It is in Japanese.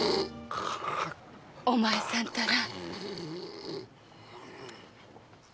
お前さんたら。